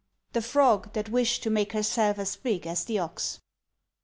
THE FROG THAT WISHED TO MAKE HERSELF AS BIG AS THE OX.